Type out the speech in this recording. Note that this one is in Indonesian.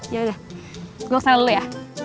yaudah gue kesana dulu ya